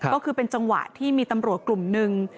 ก็คือเป็นจังหวะที่มีตำรวจกลุ่มหนึ่ง